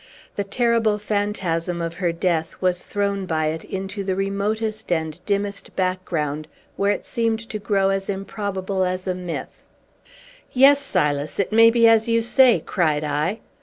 The terrible phantasm of her death was thrown by it into the remotest and dimmest background, where it seemed to grow as improbable as a myth. "Yes, Silas, it may be as you say," cried I.